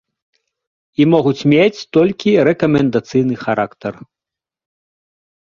І могуць мець толькі рэкамендацыйны характар.